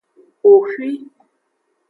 Xoxwi.